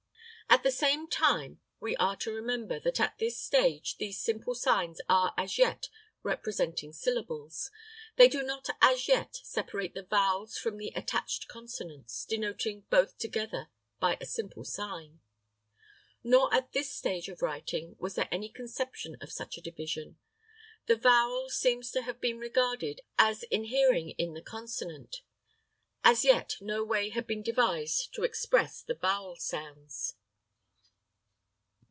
At the same time we are to remember that at this stage these simple signs are as yet representing syllables. They do not as yet separate the vowels from the attached consonants, denoting both together by a simple sign. Nor at this stage of writing was there any conception of such a division. The vowel seems to have been regarded as inhering in the consonant. As yet no way had been devised to express the vowel sounds.